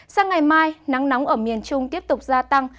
sang ngày mai nắng nóng ở miền trung tiếp tục gia tăng